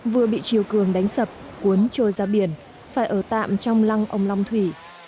vừa bị chiều cường đánh sập cuốn trôi ra biển phải ở tạm trong lăng ông long thủy